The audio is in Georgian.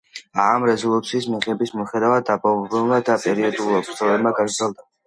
ამ რეზოლუციის მიღების მიუხედავად, დაბომბვები და პერიოდული ბრძოლები გაგრძელდა.